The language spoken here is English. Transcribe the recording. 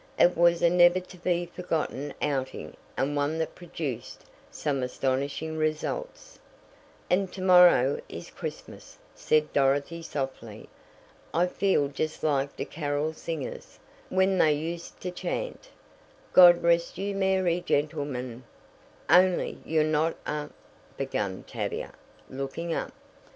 It was a never to be forgotten outing and one that produced some astonishing results. "And to morrow is Christmas," said Dorothy softly. "I feel just like the carol singers, when they used to chant: 'God rest you, merry gentlemen '" "Only you're not a " began Tavia, looking up.